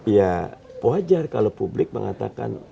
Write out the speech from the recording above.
ya wajar kalau publik mengatakan